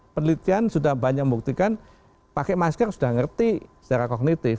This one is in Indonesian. penelitian sudah banyak membuktikan pakai masker sudah ngerti secara kognitif